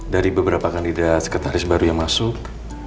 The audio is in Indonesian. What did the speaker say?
dari beberapa kandidat sekretaris baru yang masuk